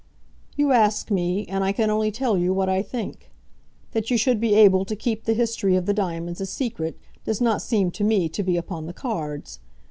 "You ask me, and I can only tell you what I think. That you should be able to keep the history of the diamonds a secret, does not seem to me to be upon the cards.